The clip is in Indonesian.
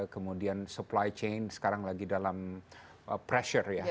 kemudian supply chain sekarang lagi dalam pressure ya